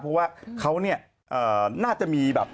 เพราะว่าเขาน่าจะมีแบบ